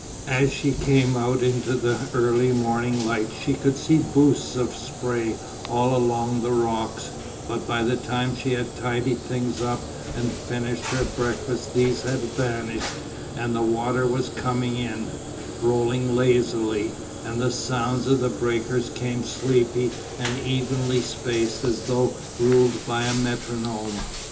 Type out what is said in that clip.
As she came out into the early morning light she could see boosts of spray all along the rocks, but by the time she had tidied things up and finished her breakfast these had vanished and the water was coming in, rolling lazily, and the sounds of the breakers came sleepy and evenly spaced as though ruled by a metronome.